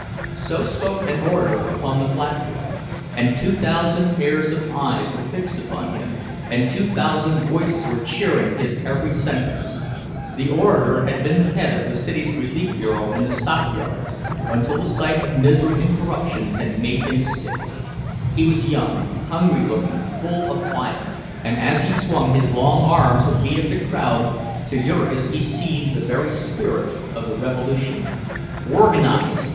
—So spoke an orator upon the platform; and two thousand pairs of eyes were fixed upon him, and two thousand voices were cheering his every sentence. The orator had been the head of the city's relief bureau in the stockyards, until the sight of misery and corruption had made him sick. He was young, hungry looking, full of fire; and as he swung his long arms and beat up the crowd, to Jurgis he seemed the very spirit of the revolution. "Organize!